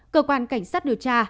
cơ quan cảnh sát điều tra